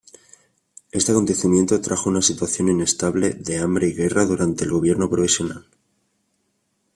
Este acontecimiento trajo una situación inestable de hambre y guerra durante el gobierno provisional.